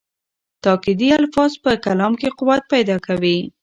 تاکېدي الفاظ په کلام کې قوت پیدا کوي.